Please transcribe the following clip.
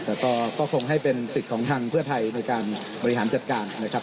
แต่ก็คงให้เป็นสิทธิ์ของทางเพื่อไทยในการบริหารจัดการนะครับ